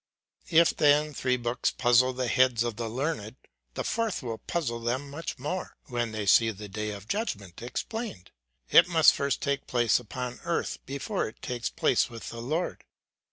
If then three books puzzle the heads of the learned, the fourth will puzzle them much more, when they see the day of judgment explained. It must first take place upon earth, before it takes place with the Lord.